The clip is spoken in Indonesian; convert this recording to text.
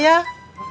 uangnya di kekurangan